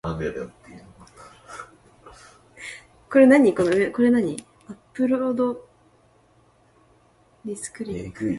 川西の五条あたりに住んでいたことがあるということを知ったり、